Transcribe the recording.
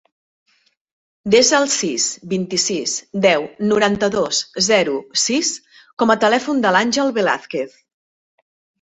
Desa el sis, vint-i-sis, deu, noranta-dos, zero, sis com a telèfon de l'Àngel Velazquez.